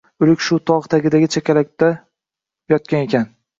O‘lik shu tog‘ tagidagi chakalakda yotgan ekan.